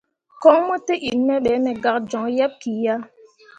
Koŋ mo te in me be, me gak joŋ yeḅ ki ya.